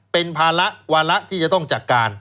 เป็นภาระวาระที่จะต้องจัดการ